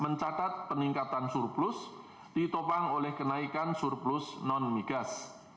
mencatat peningkatan surplus ditopang oleh kenaikan surplus non migas